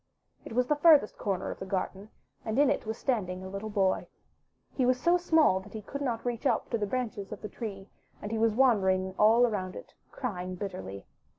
It was the farthest corner of the garden, and in it was standing a little boy. He was so small that he could not reach up to the branches of the tree, and he was wandering all around it, crying bitterly.